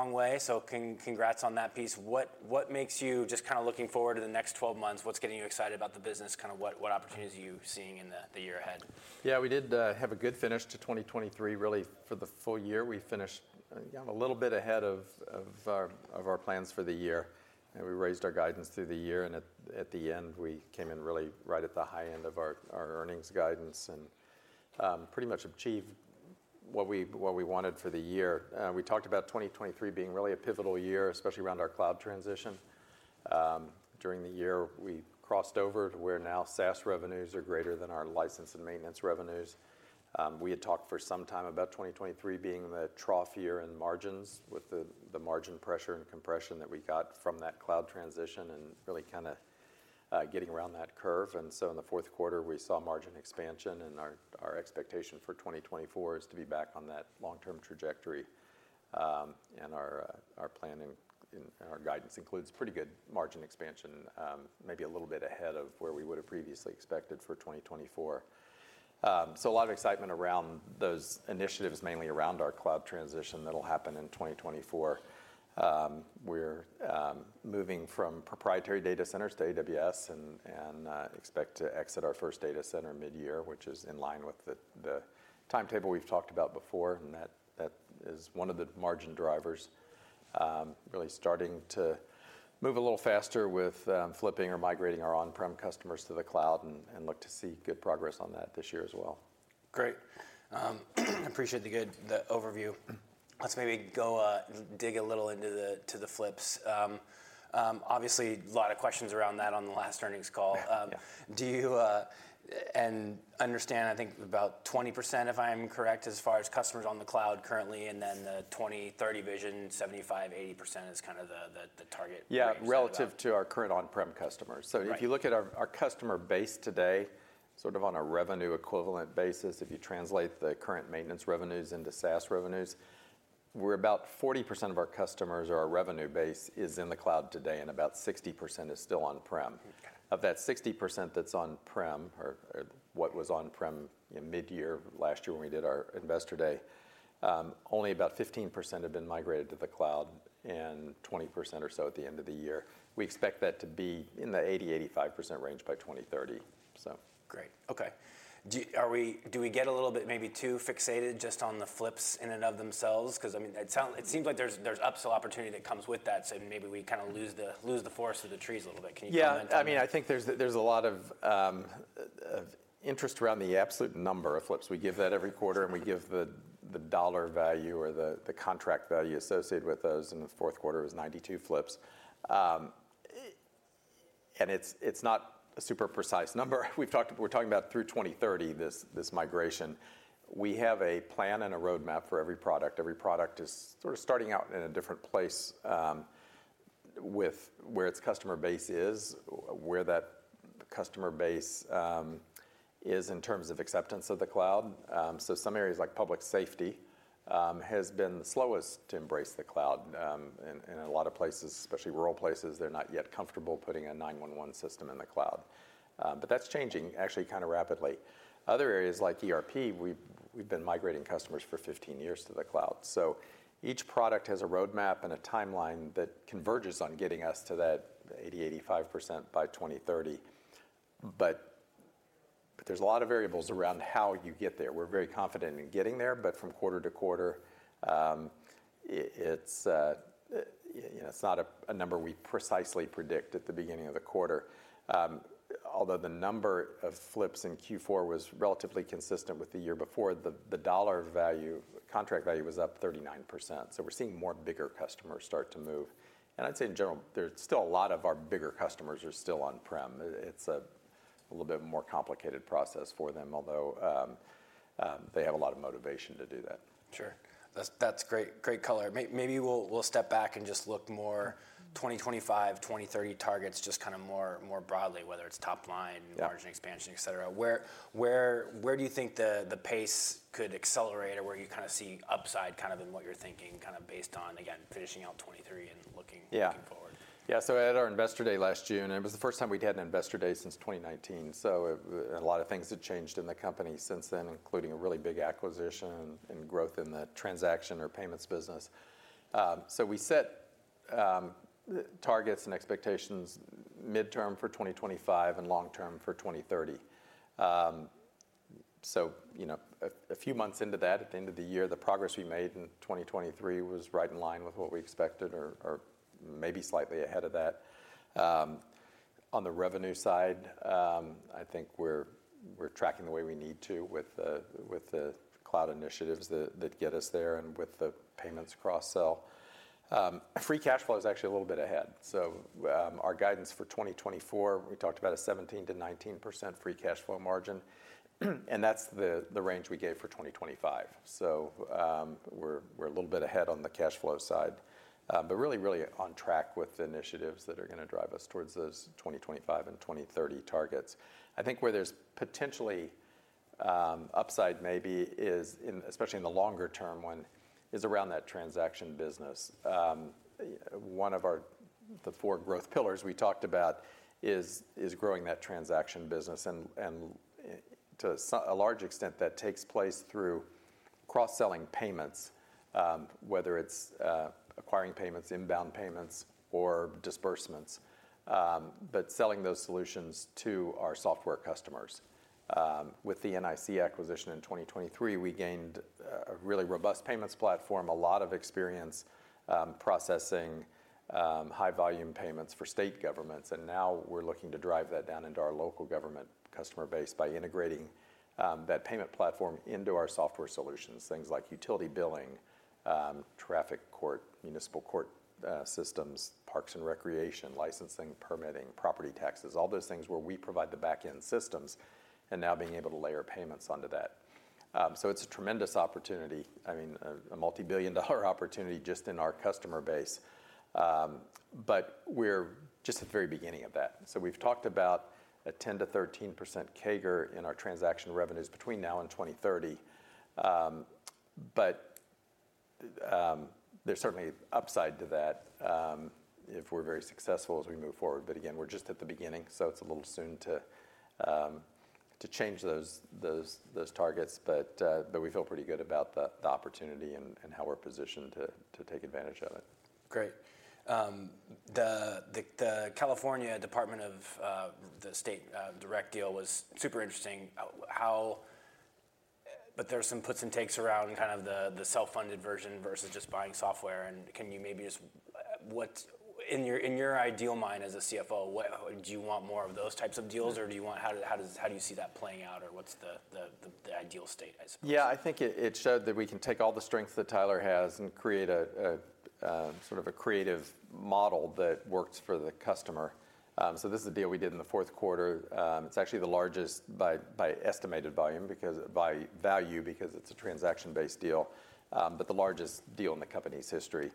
Long way, so congrats on that piece. What makes you just kind of looking forward to the next 12 months? What's getting you excited about the business? Kind of what opportunities are you seeing in the year ahead? Yeah, we did have a good finish to 2023. Really, for the full year, we finished yeah, a little bit ahead of our plans for the year, and we raised our guidance through the year, and at the end, we came in really right at the high end of our earnings guidance and pretty much achieved what we wanted for the year. We talked about 2023 being really a pivotal year, especially around our cloud transition. During the year, we crossed over to where now SaaS revenues are greater than our license and maintenance revenues. We had talked for some time about 2023 being the trough year in margins, with the margin pressure and compression that we got from that cloud transition and really kind of getting around that curve. And so in the fourth quarter, we saw margin expansion, and our expectation for 2024 is to be back on that long-term trajectory. And our planning and our guidance includes pretty good margin expansion, maybe a little bit ahead of where we would've previously expected for 2024. So a lot of excitement around those initiatives, mainly around our cloud transition that'll happen in 2024. We're moving from proprietary data centers to AWS and expect to exit our first data center midyear, which is in line with the timetable we've talked about before, and that is one of the margin drivers. Really starting to move a little faster with flipping or migrating our on-prem customers to the cloud and look to see good progress on that this year as well. Great. Appreciate the good overview. Let's maybe go dig a little into the flips. Obviously, a lot of questions around that on the last earnings call. Yeah. Do you understand, I think about 20%, if I'm correct, as far as customers on the cloud currently, and then the 2030 vision, 75%-80% is kind of the target where you said- Yeah, relative to our current on-prem customers. Right. So if you look at our customer base today, sort of on a revenue equivalent basis, if you translate the current maintenance revenues into SaaS revenues, we're about 40% of our customers or our revenue base is in the cloud today, and about 60% is still on-prem. Of that 60% that's on-prem or what was on-prem in midyear last year when we did our Investor Day, only about 15% had been migrated to the cloud, and 20% or so at the end of the year. We expect that to be in the 80%-85% range by 2030, so. Great. Okay. Do we get a little bit maybe too fixated just on the flips in and of themselves? 'Cause, I mean, it seems like there's, there's upsell opportunity that comes with that, so maybe we kinda lose the, lose the forest for the trees a little bit. Can you comment on that? Yeah. I mean, I think there's a lot of interest around the absolute number of flips. We give that every quarter, and we give the dollar value or the contract value associated with those, and the fourth quarter was 92 flips. And it's not a super precise number. We've talked. We're talking about through 2030, this migration. We have a plan and a roadmap for every product. Every product is sort of starting out in a different place, with where its customer base is, where that customer base is in terms of acceptance of the cloud. So some areas, like public safety, has been the slowest to embrace the cloud. And in a lot of places, especially rural places, they're not yet comfortable putting a 911 system in the cloud. But that's changing, actually, kinda rapidly. Other areas, like ERP, we've been migrating customers for 15 years to the cloud. So each product has a roadmap and a timeline that converges on getting us to that 80%-85% by 2030. But there's a lot of variables around how you get there. We're very confident in getting there, but from quarter to quarter, you know, it's not a number we precisely predict at the beginning of the quarter. Although the number of flips in Q4 was relatively consistent with the year before, the dollar value, contract value was up 39%, so we're seeing more bigger customers start to move. And I'd say in general, there's still a lot of our bigger customers are still on-prem. It's a little bit more complicated process for them, although they have a lot of motivation to do that. Sure. That's great color. Maybe we'll step back and just look more at 2025, 2030 targets, just kind of more broadly, whether it's top line margin expansion, et cetera. Where do you think the pace could accelerate, or where you kinda see upside kind of in what you're thinking, kind of based on, again, finishing out 2023 and looking looking forward? Yeah. So we had our Investor Day last June, and it was the first time we'd had an Investor Day since 2019, so a lot of things have changed in the company since then, including a really big acquisition and growth in the transaction or payments business. So we set targets and expectations midterm for 2025 and long-term for 2030. You know, a few months into that, at the end of the year, the progress we made in 2023 was right in line with what we expected or maybe slightly ahead of that. On the revenue side, I think we're tracking the way we need to with the cloud initiatives that get us there and with the payments cross-sell. Free cash flow is actually a little bit ahead. So, our guidance for 2024, we talked about a 17%-19% free cash flow margin, and that's the range we gave for 2025. So, we're a little bit ahead on the cash flow side, but really on track with the initiatives that are gonna drive us towards those 2025 and 2030 targets. I think where there's potentially upside maybe is in, especially in the longer term one, is around that transaction business. One of our, the four growth pillars we talked about is growing that transaction business. And, to a large extent, that takes place through cross-selling payments, whether it's acquiring payments, inbound payments, or disbursements, but selling those solutions to our software customers. With the NIC acquisition in 2023, we gained a really robust payments platform, a lot of experience processing high-volume payments for state governments, and now we're looking to drive that down into our local government customer base by integrating that payment platform into our software solutions. Things like utility billing, traffic court, municipal court, systems, parks and recreation, licensing, permitting, property taxes, all those things where we provide the back-end systems, and now being able to layer payments onto that. So it's a tremendous opportunity, I mean, a multi-billion dollar opportunity just in our customer base. But we're just at the very beginning of that. So we've talked about a 10%-13% CAGR in our transaction revenues between now and 2030. But there's certainly upside to that, if we're very successful as we move forward. But again, we're just at the beginning, so it's a little soon to change those targets, but we feel pretty good about the opportunity and how we're positioned to take advantage of it. Great. The California Department of the state direct deal was super interesting. But there are some puts and takes around kind of the self-funded version versus just buying software, and can you maybe just, in your ideal mind as a CFO, what do you want more of those types of deals? or do you want... How do you see that playing out, or what's the ideal state, I suppose? Yeah, I think it showed that we can take all the strengths that Tyler has and create a sort of a creative model that works for the customer. So this is a deal we did in the fourth quarter. It's actually the largest by estimated volume, because by value, because it's a transaction-based deal, but the largest deal in the company's history.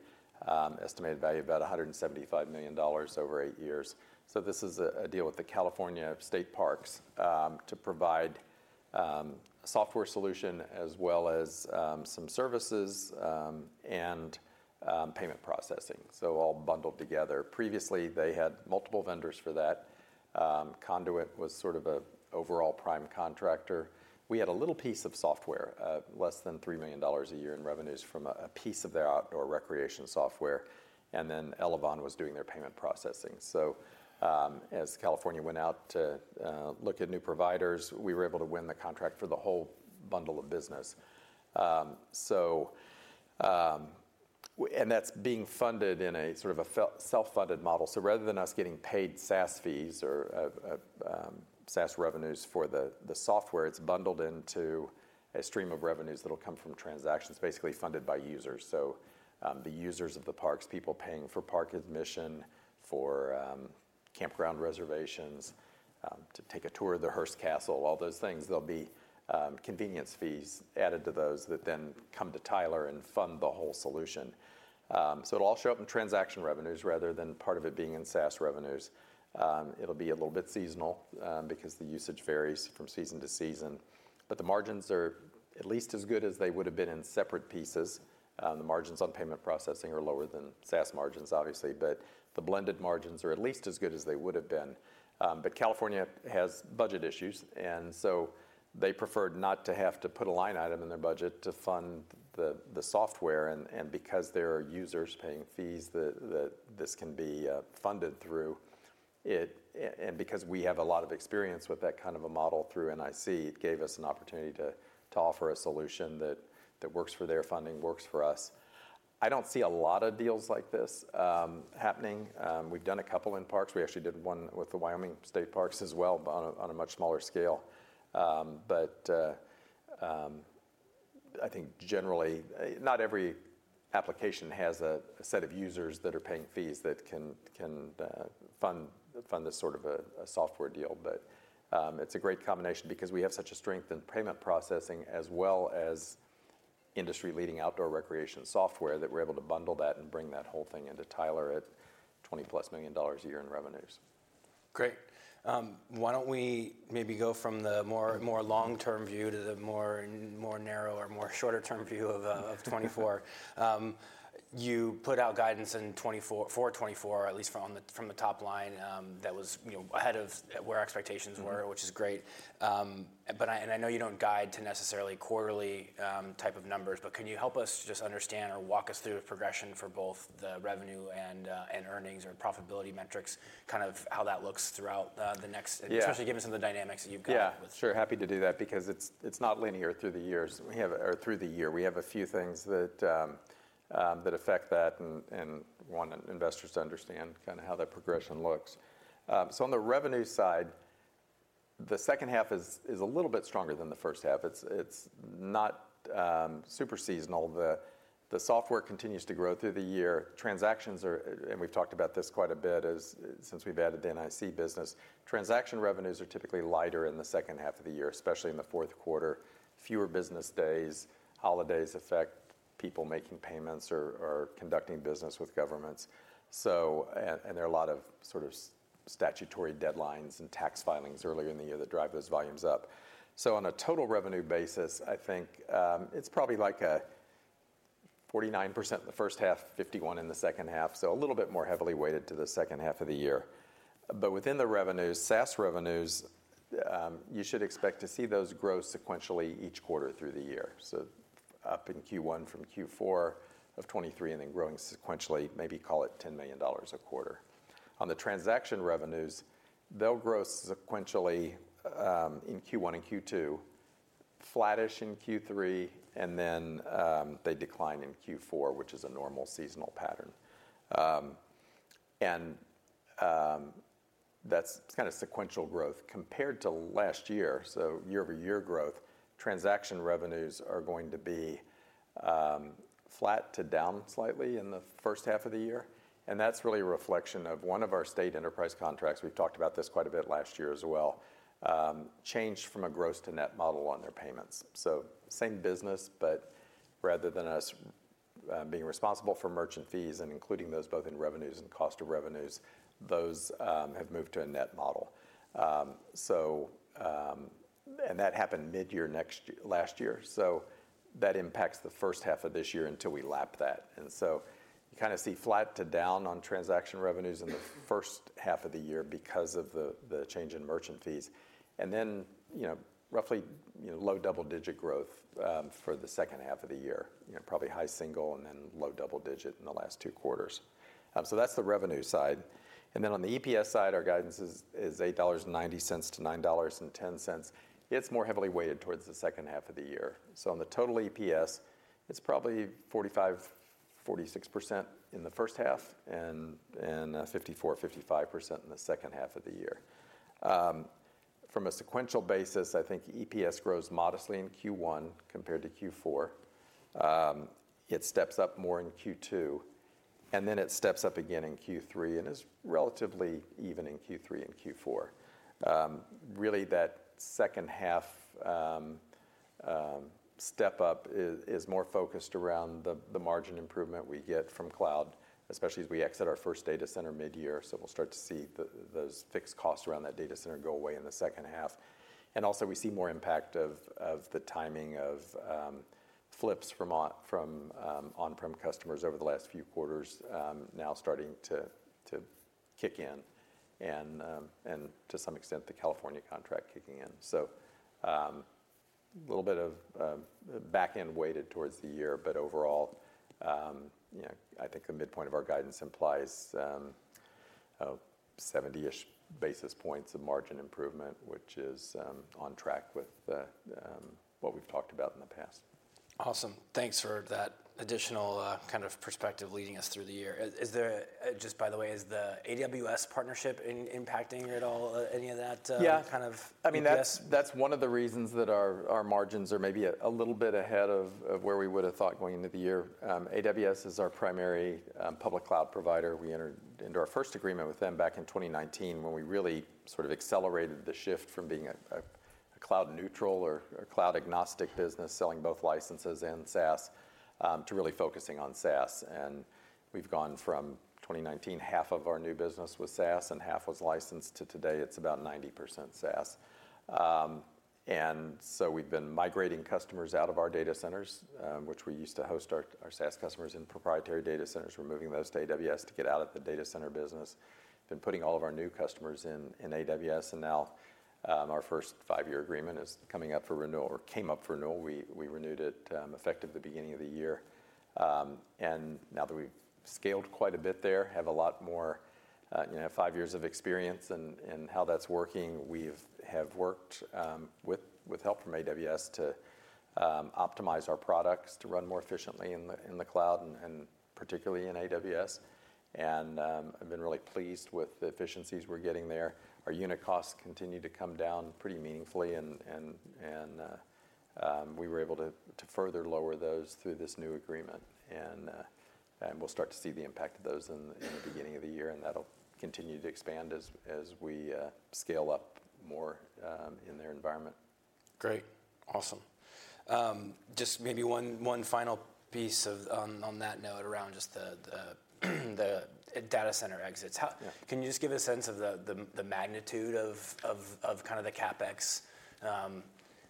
Estimated value about $175 million over eight years. So this is a deal with the California State Parks to provide a software solution as well as some services and payment processing, so all bundled together. Previously, they had multiple vendors for that. Conduent was sort of a overall prime contractor. We had a little piece of software, less than $3 million a year in revenues from a piece of their outdoor recreation software, and then Elavon was doing their payment processing. So, as California went out to look at new providers, we were able to win the contract for the whole bundle of business. And that's being funded in a sort of a self-funded model. So rather than us getting paid SaaS fees or SaaS revenues for the software, it's bundled into a stream of revenues that'll come from transactions basically funded by users. The users of the parks, people paying for park admission, for, campground reservations, to take a tour of the Hearst Castle, all those things, there'll be, convenience fees added to those that then come to Tyler and fund the whole solution. So it'll all show up in transaction revenues rather than part of it being in SaaS revenues. It'll be a little bit seasonal, because the usage varies from season to season, but the margins are at least as good as they would've been in separate pieces. The margins on payment processing are lower than SaaS margins, obviously, but the blended margins are at least as good as they would've been. But California has budget issues, and so they preferred not to have to put a line item in their budget to fund the software, and because there are users paying fees, that this can be funded through it. And because we have a lot of experience with that kind of a model through NIC, it gave us an opportunity to offer a solution that works for their funding, works for us. I don't see a lot of deals like this happening. We've done a couple in parks. We actually did one with the Wyoming State Parks as well, but on a much smaller scale. But I think generally, not every application has a set of users that are paying fees that can fund this sort of a software deal. It's a great combination because we have such a strength in payment processing as well as industry-leading outdoor recreation software, that we're able to bundle that and bring that whole thing into Tyler at $20+ million a year in revenues. Great. Why don't we maybe go from the more long-term view to the more narrow or shorter term view of 2024? You put out guidance in 2024 for 2024, at least from the top line, that was, you know, ahead of where expectations were which is great. But I know you don't guide to necessarily quarterly type of numbers, but can you help us just understand or walk us through a progression for both the revenue and earnings or profitability metrics, kind of how that looks throughout the next especially given some of the dynamics that you've got with. Yeah, sure. Happy to do that because it's not linear through the years or through the year. We have a few things that affect that, and want investors to understand kind of how that progression looks. So on the revenue side, the second half is a little bit stronger than the first half. It's not super seasonal. The software continues to grow through the year. Transactions are, and we've talked about this quite a bit, since we've added the NIC business, transaction revenues are typically lighter in the second half of the year, especially in the fourth quarter. Fewer business days, holidays affect people making payments or conducting business with governments. So, and there are a lot of sort of statutory deadlines and tax filings earlier in the year that drive those volumes up. So on a total revenue basis, I think, it's probably like, 49% in the first half, 51% in the second half, so a little bit more heavily weighted to the second half of the year. But within the revenues, SaaS revenues, you should expect to see those grow sequentially each quarter through the year. So up in Q1 from Q4 of 2023, and then growing sequentially, maybe call it $10 million a quarter. On the transaction revenues, they'll grow sequentially, in Q1 and Q2, flattish in Q3, and then, they decline in Q4, which is a normal seasonal pattern. That's kind of sequential growth compared to last year, so year-over-year growth, transaction revenues are going to be flat to down slightly in the first half of the year, and that's really a reflection of one of our state enterprise contracts. We've talked about this quite a bit last year as well, changed from a gross to net model on their payments. So same business, but rather than us being responsible for merchant fees and including those both in revenues and cost of revenues, those have moved to a net model. So, and that happened mid-year last year, so that impacts the first half of this year until we lap that. And so you kinda see flat to down on transaction revenues in the first half of the year because of the change in merchant fees. Then, you know, roughly, you know, low double-digit growth for the second half of the year, you know, probably high single and then low double digit in the last two quarters. So that's the revenue side, and then on the EPS side, our guidance is, is $8.90-$9.10. It's more heavily weighted towards the second half of the year. So on the total EPS, it's probably 45%-46% in the first half and, and, 54%-55% in the second half of the year. From a sequential basis, I think EPS grows modestly in Q1 compared to Q4. It steps up more in Q2, and then it steps up again in Q3, and is relatively even in Q3 and Q4. Really, that second half step up is more focused around the margin improvement we get from cloud, especially as we exit our first data center mid-year. So we'll start to see those fixed costs around that data center go away in the second half. And also, we see more impact of the timing of flips from on-prem customers over the last few quarters now starting to kick in, and to some extent, the California contract kicking in. So, a little bit of back-end weighted towards the year, but overall, you know, I think the midpoint of our guidance implies 70-ish basis points of margin improvement, which is on track with what we've talked about in the past. Awesome. Thanks for that additional kind of perspective leading us through the year. Is there a—Just by the way, is the AWS partnership impacting at all, any of that? Kind of this? I mean, that's one of the reasons that our margins are maybe a little bit ahead of where we would have thought going into the year. AWS is our primary public cloud provider. We entered into our first agreement with them back in 2019, when we really sort of accelerated the shift from being a cloud neutral or a cloud agnostic business, selling both licenses and SaaS, to really focusing on SaaS. And we've gone from 2019, half of our new business was SaaS, and half was licensed, to today, it's about 90% SaaS. And so we've been migrating customers out of our data centers, which we used to host our SaaS customers in proprietary data centers. We're moving those to AWS to get out of the data center business. Been putting all of our new customers in AWS, and now our first five year agreement is coming up for renewal or came up for renewal. We renewed it effective the beginning of the year. Now that we've scaled quite a bit there, have a lot more you know five years of experience in how that's working, we've worked with help from AWS to optimize our products to run more efficiently in the cloud, and particularly in AWS. I've been really pleased with the efficiencies we're getting there. Our unit costs continue to come down pretty meaningfully, and we were able to further lower those through this new agreement, and we'll start to see the impact of those in the beginning of the year, and that'll continue to expand as we scale up more in their environment. Great, awesome. Just maybe one final piece of, on that note, around just the data center exits. How Can you just give a sense of the magnitude of kind of the CapEx,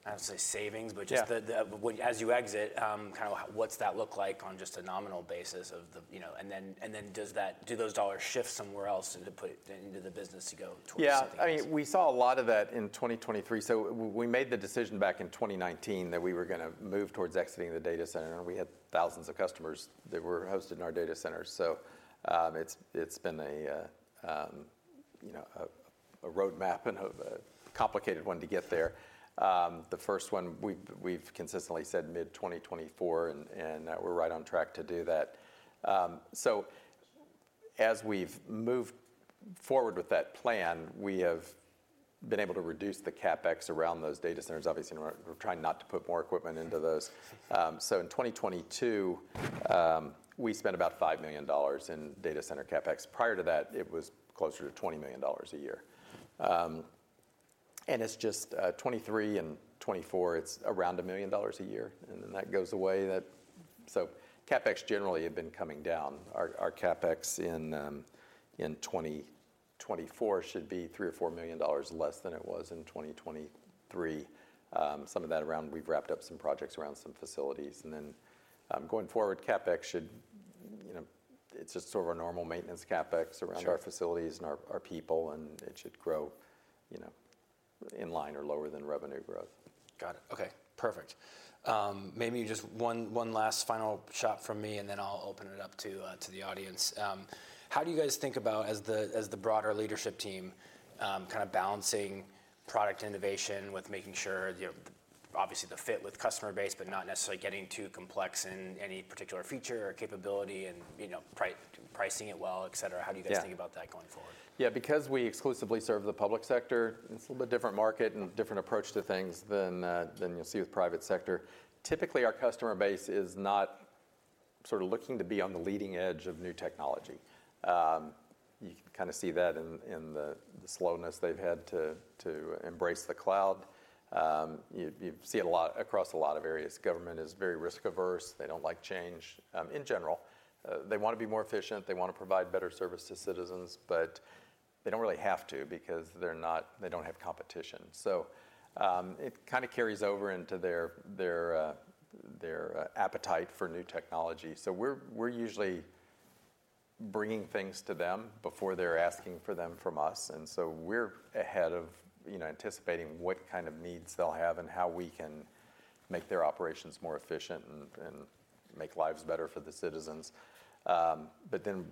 I don't want to say savings but just the, as you exit, kind of what's that look like on just a nominal basis of the, you know and then, do those dollars shift somewhere else to put into the business to go towards something else? Yeah, I mean, we saw a lot of that in 2023. So we made the decision back in 2019 that we were gonna move towards exiting the data center, and we had thousands of customers that were hosted in our data centers. So, it's been a, you know, a roadmap and a complicated one to get there. The first one, we've consistently said mid-2024, and we're right on track to do that. So as we've moved forward with that plan, we have been able to reduce the CapEx around those data centers. Obviously, we're trying not to put more equipment into those. So in 2022, we spent about $5 million in data center CapEx. Prior to that, it was closer to $20 million a year. It's just 2023 and 2024, it's around $1 million a year, and then that goes away. That, so CapEx generally have been coming down. Our CapEx in 2024 should be $3 million-$4 million less than it was in 2023. Some of that around, we've wrapped up some projects around some facilities. And then, going forward, CapEx should, you know, it's just sort of our normal maintenance CapEx. Sure Around our facilities and our people, and it should grow, you know, in line or lower than revenue growth. Got it. Okay, perfect. Maybe just one last final shot from me, and then I'll open it up to the audience. How do you guys think about as the broader leadership team kind of balancing product innovation with making sure, you know, obviously the fit with customer base, but not necessarily getting too complex in any particular feature or capability and, you know, pricing it well, et cetera? Yeah. How do you guys think about that going forward? Yeah, because we exclusively serve the public sector, it's a little bit different market and different approach to things than you'll see with private sector. Typically, our customer base is not sort of looking to be on the leading edge of new technology. You can kinda see that in the slowness they've had to embrace the cloud. You see it a lot, across a lot of areas. Government is very risk-averse. They don't like change in general. They wanna be more efficient, they wanna provide better service to citizens, but they don't really have to because they're not, they don't have competition. So, it kinda carries over into their appetite for new technology. So we're usually bringing things to them before they're asking for them from us, and so we're ahead of, you know, anticipating what kind of needs they'll have, and how we can make their operations more efficient and make lives better for the citizens. But then...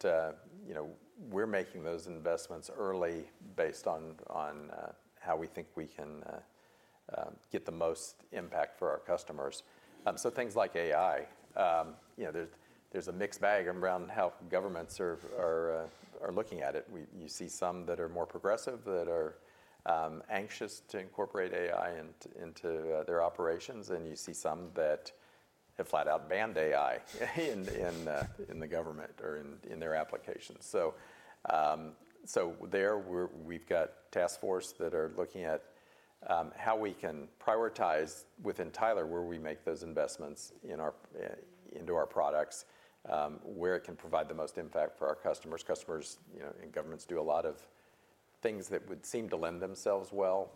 But you know, we're making those investments early based on how we think we can get the most impact for our customers. So things like AI, you know, there's a mixed bag around how governments are looking at it. You see some that are more progressive, that are anxious to incorporate AI into their operations, and you see some that have flat out banned AI in the government or in their applications. So, we've got task force that are looking at how we can prioritize within Tyler, where we make those investments in our, into our products, where it can provide the most impact for our customers. Customers, you know, and governments do a lot of things that would seem to lend themselves well,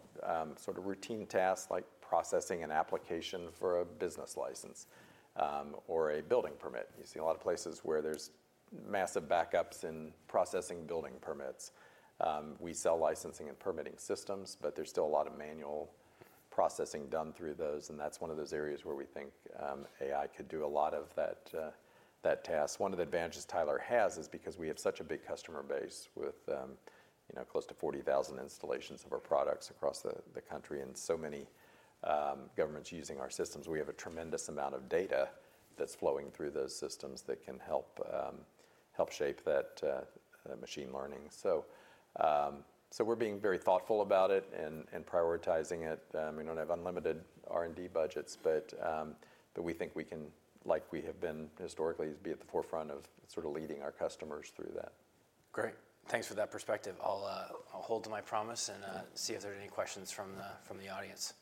sort of routine tasks like processing an application for a business license, or a building permit. You see a lot of places where there's massive backups in processing building permits. We sell licensing and permitting systems, but there's still a lot of manual processing done through those, and that's one of those areas where we think, AI could do a lot of that, that task. One of the advantages Tyler has is because we have such a big customer base with, you know, close to 40,000 installations of our products across the country, and so many governments using our systems. We have a tremendous amount of data that's flowing through those systems that can help shape that machine learning. So, we're being very thoughtful about it and prioritizing it. We don't have unlimited R&D budgets, but we think we can, like we have been historically, be at the forefront of sort of leading our customers through that. Great. Thanks for that perspective. I'll hold to my promise and see if there are any questions from the audience.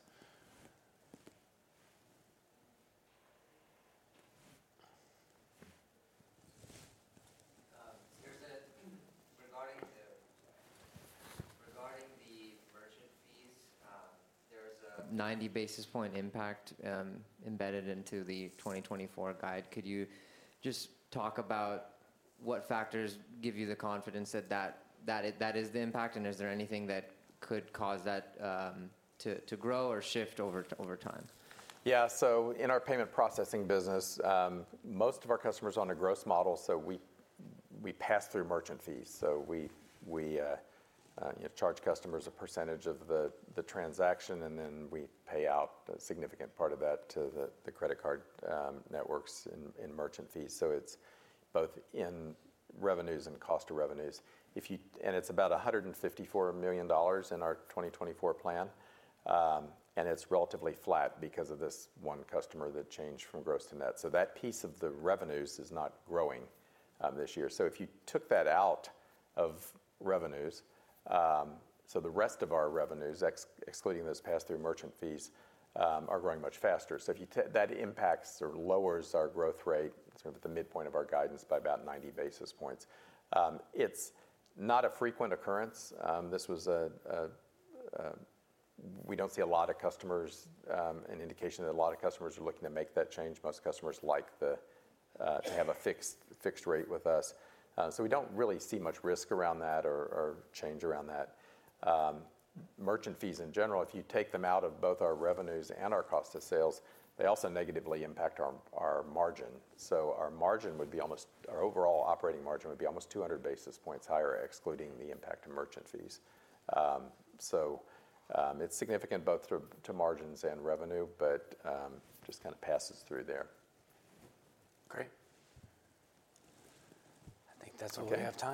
Regarding the merchant fees, there's a 90 basis point impact embedded into the 2024 guide. Could you just talk about what factors give you the confidence that is the impact, and is there anything that could cause that to grow or shift over time? Yeah. So in our payment processing business, most of our customers are on a gross model, so we pass through merchant fees. So we charge customers a percentage of the transaction, and then we pay out a significant part of that to the credit card networks in merchant fees. So it's both in revenues and cost of revenues. And it's about $154 million in our 2024 plan, and it's relatively flat because of this one customer that changed from gross to net. So that piece of the revenues is not growing this year. So if you took that out of revenues, so the rest of our revenues, excluding those pass-through merchant fees, are growing much faster. That impacts or lowers our growth rate, sort of at the midpoint of our guidance by about 90 basis points. It's not a frequent occurrence. We don't see a lot of customers, an indication that a lot of customers are looking to make that change. Most customers like to have a fixed rate with us. So we don't really see much risk around that or change around that. Merchant fees in general, if you take them out of both our revenues and our cost of sales, they also negatively impact our margin. So our margin would be almost. Our overall operating margin would be almost 200 basis points higher, excluding the impact of merchant fees. So, it's significant both to margins and revenue, but just kind of passes through there. Great. I think that's all we have time for.